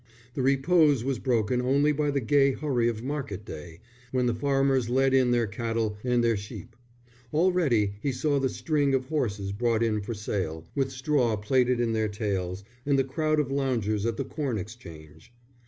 The repose was broken only by the gay hurry of market day, when the farmers led in their cattle and their sheep: already he saw the string of horses brought in for sale, with straw plaited in their tails, and the crowd of loungers at the Corn Exchange.